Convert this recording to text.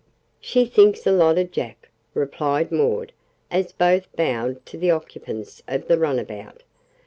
"She thinks a lot of Jack," replied Maud, as both bowed to the occupants of the runabout.